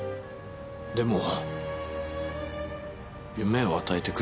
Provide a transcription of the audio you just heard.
でも夢を与えてくれた。